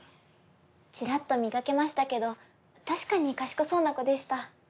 チラッと見かけましたけど確かに賢そうな子でした。